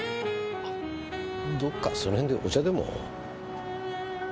どっかその辺でお茶でも。